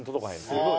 すごい。